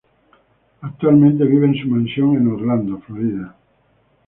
Actualmente vive en su mansión en Orlando, Florida.